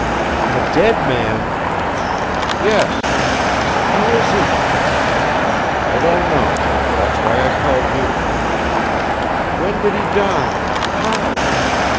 "A dead man!" "Yes." "Who is he?" "I don't know. That's why I called you." "When did he die? How?"